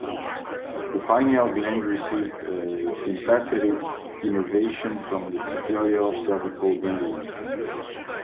The pineal gland receives a sympathetic innervation from the superior cervical ganglion.